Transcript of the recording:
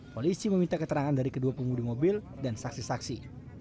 polisi meminta keterangan dari kedua pengudi mobil dan saksi saksi